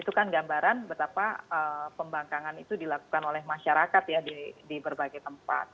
itu kan gambaran betapa pembangkangan itu dilakukan oleh masyarakat ya di berbagai tempat